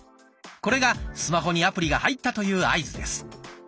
これがスマホにアプリが入ったという合図です。